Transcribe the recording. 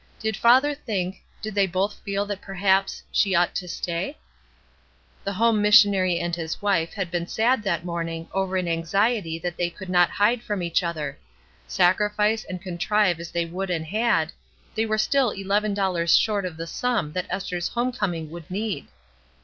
Did father think — did they both feel that perhaps — she ought to stay? HOME 281 The home missionary and his wife had been sad that morning over an anxiety that they could not hide from each other. Sacrifice and con trive as they would and had, they were still eleven dollars short of the sum that Esther's home coming would need.